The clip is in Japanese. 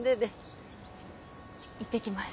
行ってきます。